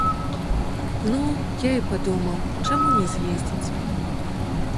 Ну, я і падумаў, чаму не з'ездзіць.